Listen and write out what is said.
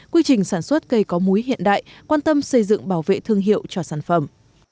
quy trình sản xuất cây có múi hiện đại quan tâm xây dựng bảo vệ thương hiệu cho sản phẩm